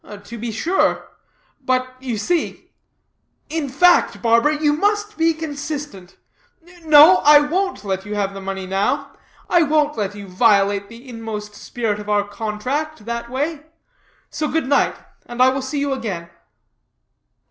"To be sure. But you see in fact, barber, you must be consistent. No, I won't let you have the money now; I won't let you violate the inmost spirit of our contract, that way. So good night, and I will see you again."